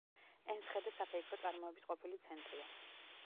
ენსხედე საფეიქრო წარმოების ყოფილი ცენტრია.